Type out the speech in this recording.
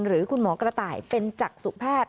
หรือคุณหมอกระต่ายเป็นจักษุแพทย์